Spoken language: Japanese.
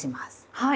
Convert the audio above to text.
はい。